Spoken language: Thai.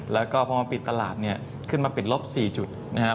แล้วก็พอมันปิดตลาดเนี่ยขึ้นมาปิดลบ๔จุดนะครับ